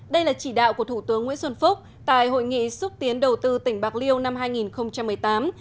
đây là chỉ đạo của thủ tướng nguyễn xuân phúc tại hội nghị xúc tiến đầu tư tỉnh bạc liêu năm hai nghìn một mươi tám